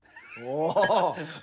お！